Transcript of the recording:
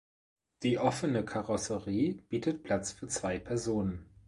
Die offene Karosserie bietet Platz für zwei Personen.